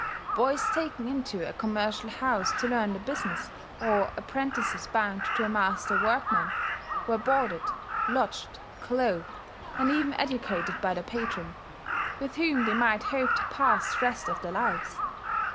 Boys taken into a commercial house to learn the business, or apprentices bound to a master workman, were boarded, lodged, clothed, and even educated by their patron, with whom they might hope to pass the rest of their lives.